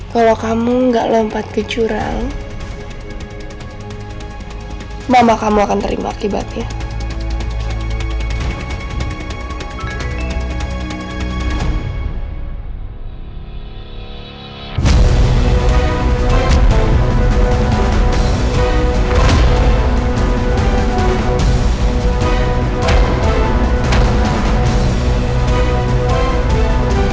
kalau kamu nggak lompat ke jurang mama kamu akan terima akibatnya